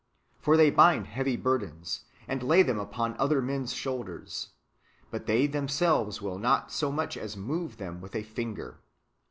For they bind heavy burdens, and lay them upon men's shoulders; but they themselves will not so much as move them with a finger."